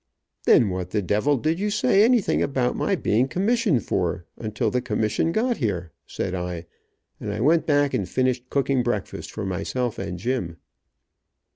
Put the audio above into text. "Then what the devil did you say anything about my being commissioned for, until the commission got here," said I, and I went back and finished cooking breakfast for myself and Jim.